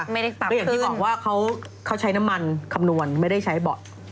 อย่างที่บอกว่าเขาใช้น้ำมันคำนวณไม่ได้ใช้เบาะ